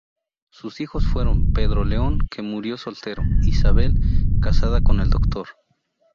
Sus hijos fueron: Pedro León, que murió soltero, Isabel, casada con el Dr.